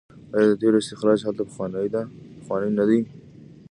آیا د تیلو استخراج هلته پخوانی نه دی؟